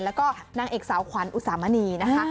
แล้วก็นางเอกสาวขวัญอุสามณีนะคะ